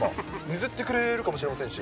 譲ってくれるかもしれませんし。